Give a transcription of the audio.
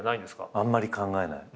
あんまり考えない。